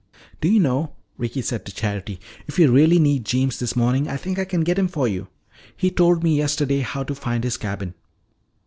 "Do you know," Ricky said to Charity, "if you really need Jeems this morning, I think I can get him for you. He told me yesterday how to find his cabin."